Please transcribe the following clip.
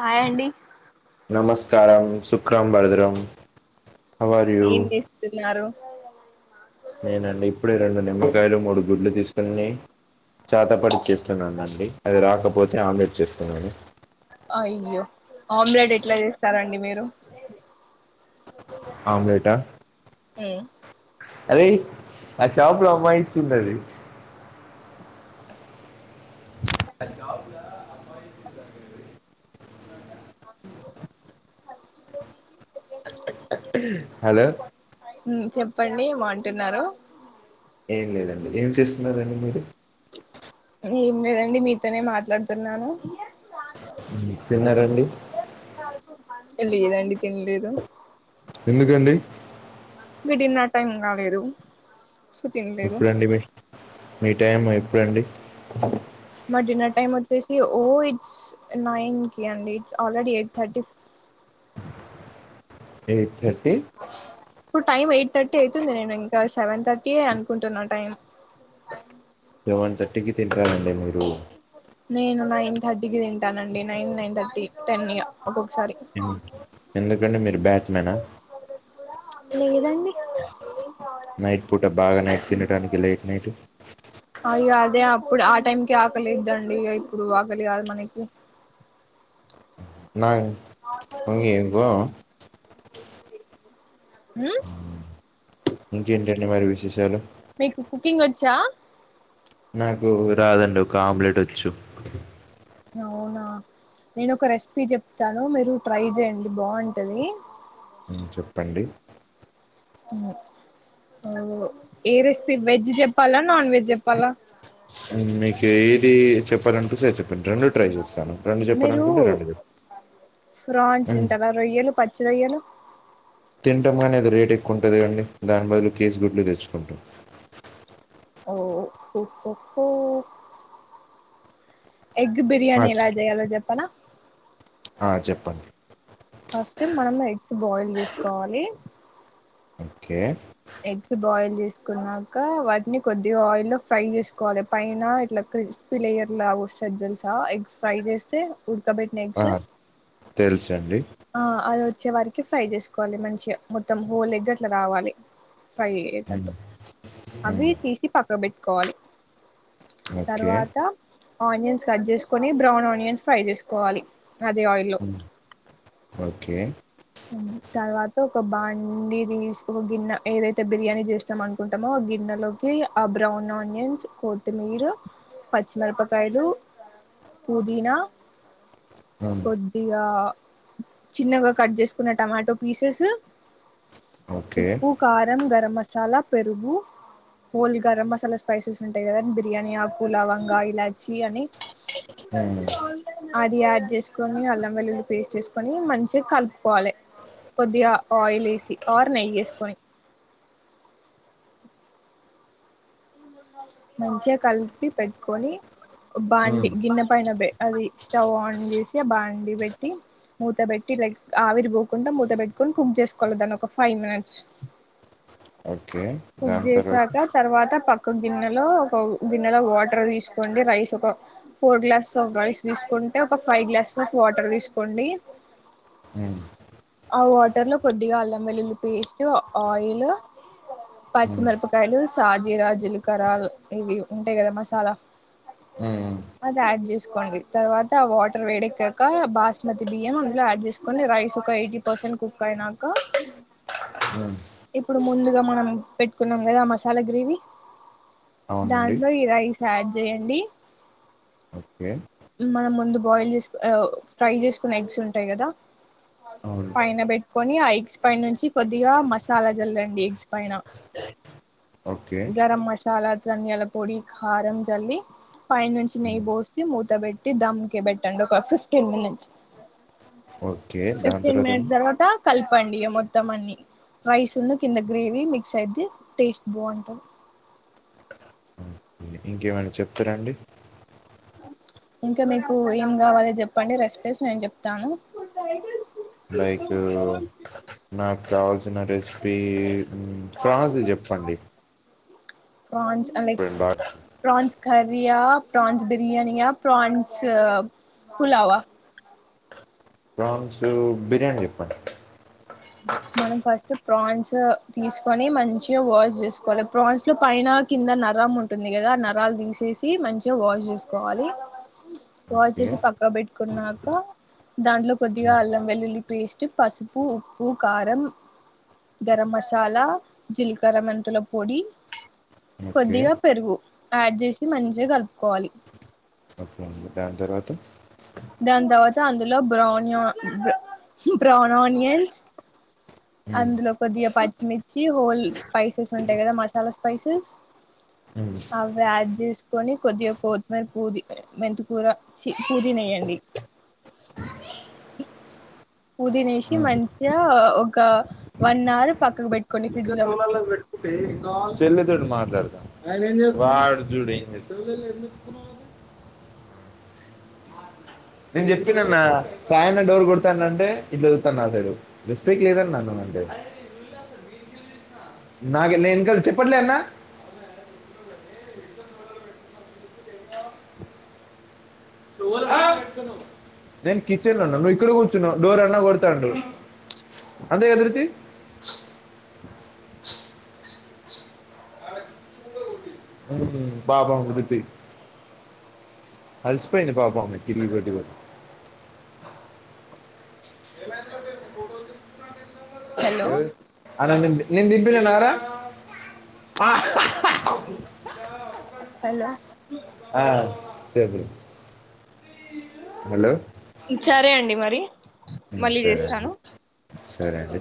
Hi అండి నమస్కారం సు క్రంబరదరం ఏం చేస్తున్నారు నేనండి ఇప్పుడే రెండు నిమ్మకాయలు మూడు గుడ్లు తీసుకొని చాతపడి చేస్తున్నానండి అది రాకపోతే ఆమ్లెట్ చేస్తున్నాను అయ్యో ఆమ్లెట్ ఎట్లా చేస్తారండి మీరు ఆమ్లేటా ఆ అదే ఆ షాపుల అమ్మాయిచ్చున్నది హలో చెప్పండి ఏమోంటున్నారు ఏం లేదండి ఏం చేస్తున్నండి మీరు ఏం లేదండి మీతోనే మాట్లాడుతున్నాను తిన్నారండి లేదండి తినలేదు ఎందుకండి మీ డిన్నర్ టైం కాలేదు. సో తినలేదు ఎప్పుడండి మీ మీ టైం అ ఎప్పుడండి మా డిన్నర్ టైమ్ ఒచ్చేసి ఓ ఇట్స్ నైన్ కి అండి ఆల్రెడీ ఎయిట్ థర్టీ ఎయిట్ థ ఇప్పుడు టైమ్ ఎయిట్ థర్టీ అయితుంది నేను ఇంకా సెవెన్ థర్టీయే అనుకుంటున్నా టైం లెవెన్ థర్టీకి తినరాదండి మీరు నేను నైన్ థర్టీకిి తింటానండి నైన్ నైన్ థర్టీ టెన్ ఇగ ఒక్కోక ఎందుకండి మీ బ్యాట్మెనా లేదండి నైట్ పూట బాగా నైట్ తినడానికి లేట్ నైట్ అయో అదే ప్పుడు ఆ టైంకే ఆకలైద్దండి ఇప్పుడు ఆకలి కాదు మనకి నా [inaudible] హ్మ్ ఇంకేంటండి మరి విశేషాలు మీకు కుకింగ్ వచ్చా నాకు రాదండి ఒక ఆమ్లెట్ వచ్చు. అవునా నేను ఒక రెసిపీ చెప్తాను మీరు ట్రై చేయండి బాగుంటది. చెప్పండి ఏ రెసిపీ వెజ్ చెప్పాలా, నాన్ వెజ్ చెప్పాలా మీకు ఏది చెప్పాలనిపిస్తే అది చెప్ రెండు ట్రై చేస్తాను. రెండు మీరు చెప్పాలనుకుంటే రెండు చెప్ చ్చి రొయ్యలు తింటాం కాని అది రేట్ ఎక్కువ ఉంటది కదండి దాని బదులు కేజి గుడ్లు తెచ్చుకుంటాం. ఓ హో హో ఎగ్ ఆ, బిర్యానీ ఎలా చేయాలో చెప్పనా ఆ, చెప్పండి ఫస్ట్ మనం ఎగ్స్ బాయిల్ చేసుకోవాలి. ఓకే ఎగ్స్ బాయిల్ చేసుకున్నాక వాటిని కొద్దిగా ఆయిలో ఫ్రై చేసుకోవాలి పైన ఇట్లా క్రిస్పీ లేయర్ లాగా వస్తది తెల్సా ఎగ్ ఫ్రై చేస్తే ఉడకబెట్టిన ఆ తెల్సిండి. ఆ అది వచ్చే వారికి ఫ్రై చేసుకోవాలి మంచిగా మొత్తం హోల్ ఎగ్ అట్ల రావాలి. ఫ్రై ఉమ్, అయ్యేటట్టు అవి ఉమ్, తీసి పక్కక్ పెట్ కోవాలి. ఓకే తర్వాత ఆనియన్స్ కట్ చేస్కొని బ్రౌన్ ఆనియన్స్ ఫ్రై చేస్కోవాలి అదే ఆయిల్లో ఉమ్, ఓకే తర్వాత ఒక బాడి తీస్ ఒక గిన్నె ఏదైతే బిర్యానీ చేస్తాం అనుకుంటామో ఆ గిన్నెలోకి ఆ బ్రౌన్ ఆనియన్స్ కొత్తిమీర పచ్చిమిరపకాయలు పుదీనా ఉమ్, కొదిగా చిన్నగా కట్ చేస్ కున్న టమాటో పీసెస్ ఓకే ఉప్పు కారం గరం మసాల మసాలా పెరుగు హోల్ గరం మసాలా స్పైసెస్ ఉంటాయి కదండి బిర్యానీ ఆకు లవంగా ఇలాచి అని [inaudible] ఉమ్, అది యాడ్ చేసుకొని అల్లం వెల్లుల్లి పేస్ట్ చేసుకొని మంచిగా కలుపు వలె కొద్దిగా ఆయిల్ వేసి ఆర్ నెయ్యేసుకొని మంచిగా కలిపి పెట్ కొనీ బాండి ఉమ్, గిన్నె పైన అది స్టవ్ ఆన్ చేసి ఆ బాండీ పెట్టి మూత పెట్టి లైక్ ఆవిరి పోకుండా మూత పెట్టుకొని కుక్ చేసుకోవాలి దాన్ని ఒక ఫైవ్ మినిట్స్ ఓ కుక్ చేసాక తర్వాత పక్క ఒక గిన్నెలో ఒక గిన్నెలో వాటర్ తీసుకోండి రైస్ ఒక ఫోర్ గ్లాస్ ఆఫ్ రైస్ తీసుకుంటే ఒక ఫైవ్ గ్లాస్ ఆఫ్ వాటర్ తీసుకోండి ఉమ్, అవు అ బట్టర్లో కొద్దిగా అల్లం వెల్లుల్లి పేస్ట్ ఆయిల్ ఉమ్, పచ్చిమిరపకాయలు సాజీరా జీలకరలు ఇవి ఉంటాయి కదా మసాలా ఉమ్, అది యాడ్ చేసుకోండి తర్వాత వాటర్ వేడెక్కాక బాస్మతి బియ్యం అందులో యాడ్ చేసుకోండి రైస్ ఒక ఎయిటీ పర్సెంట్ కుక్ అయినాక ఉమ్, ఇప్పుడు ముందుగా మనం పెట్టుకున్నాం కదా ఆ మసాలా గ్రేవీ అవునండి దాంట్లో ఈ రైస్ యాడ్ చేయండి ఓకే మనం ముందు బాయిల్ చేసుకు ఫ్రై చేసుకున్న ఎగ్స్ ఉంటాయి కదా అవును పైన పెట్టుకొని ఆ ఎగ్స్ పైన నుంచి కొద్దిగా మసాలా చల్లండి ఎగ్స్ పైన ఓకే. గరం మసాలా ధాన్యాల పొడి కారం చల్లి పై నుంచి నెయ్యి హ్మ్. పోసి మూత పెట్టి దమ్కే పెట్టండి ఒక ఫిఫ్టీన్ మినిట్స్ ఓకే. దాని ఫిఫ్టీన్ మినిట్స్ తర్వాతండి? తరువాత కలపండి మొత్తం మొత్తాన్ని రైస్ కింద గ్రేవి మ మిక్స్ ఐతే టేస్ట్ బాగుంటది ఓకే. ఇంకేమైనా చెప్తారాండి ఇంకా మీకు ఏం కావాలి చెప్పండి రెసిపీస్ నేను చెప్తాను లైక్ నాకు కావల్స్ రెసిపీ ఫ్రాన్స్ చెప్పండి ప్రాన్స్లైక్ ఇప్పుడు బాగా ప్రాన్స్ కరియా ప్రాన్స్ బిరియానీయా ప్రాన్స్ ఫులావా ఫ్రాన్స్ బిర్యానీ ఎప్పండ్ మనం ఫస్ట్ ప్రాన్స్ తీసుకొని మంచిగా వాష్ చేసుకోవాలి ప్రౌన్స్ లో పైన కింద నరం ఉంటుంది కదా నరాలు తీసేసి మంచిగా వాష్ చేసుకోవాలి. Wash okay. జేసి పక్కక్ బెట్టుకున్నాక దాంట్లో కొద్దిగా అల్లం వెల్లుల్లి పేస్ ట్ పసుపు ఉప్ ఉ కారం గరం మసాలా జీలకర్ర మెంతుల పొడి ఓకే. కొద్దిగా పెరుగు యాడ్ జేసి మంచిగ కల్ప్ ఒకే అండి దాన్ తర్వాత్ అ దాన్ దవత అంద్ లో బ్రౌన్ యా బ్రో బ్రౌన్ ఆనియన్స్ హ్మ్. అందులో కొద్దిగా పచ్చిమిర్చి హోల్ స్పైసెస్ ఉంటయి కదా మసాలా స్పైసెస్ హ్మ్. అవే ఆడ్ జీస్కోని కొద్దిగ కోత్మీర్ పూది మెంతుకూర ఛీ పూ ది నెయ్ పుదినేసి హ్మ్. మంచిగా ఒక వన్ అవర్ పక్కకు పెట్టుకోండి ఫ్రిడ్జ్ లో అ నేను చెప్పిన అన్నా సాయన్న డోర్ కొడతాన అంటే ఇట్లా చదువుతాను నా సడు రిస్పేక్ లేదన్నా అంటే నాకు నేక చెప్పట్లే అన్నా నేను కిచెన్ లో ఉన్నా నువ్ ఇక్కడ కూర్చున్నవ్ డోర్ అన్నా కొడుతాండు అంతే గద వృతి మ్మ్ పాపం వృతి అల్స్ పేయింది పాపం [unintelligible] ఏ మ ఫోటో హలో ఏ ఆనంది నిందిబిలే నాార హలో ఆ సేబి హలో ఇచరే అండి మరి మ్మ్ మళ్ళీ సరే అండి చేస్తాను సరే అండి